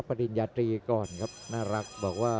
มีความรู้สึกว่า